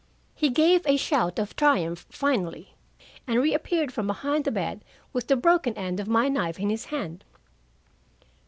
He gave a shout of triumph finally, and reappeared from behind the bed with the broken end of my knife in his hand.